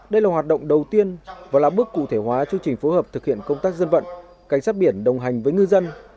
đây là hoạt động đầu tiên và là bước cụ thể hóa chương trình phối hợp thực hiện công tác dân vận cảnh sát biển đồng hành với ngư dân